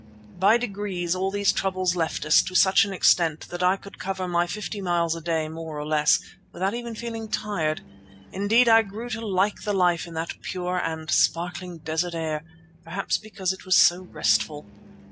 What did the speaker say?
By degrees all these troubles left us to such an extent that I could cover my fifty miles a day, more or less, without even feeling tired. Indeed I grew to like the life in that pure and sparkling desert air, perhaps because it was so restful.